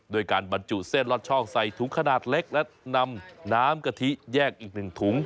โดยการบรรจุเส้นลอดช่องใส่ถุงขนาดเล็กและนำน้ำกะทิแยกอีก๑ถุง